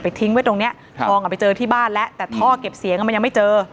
ทิ้งไว้ตรงเนี้ยทองอ่ะไปเจอที่บ้านแล้วแต่ท่อเก็บเสียงมันยังไม่เจอ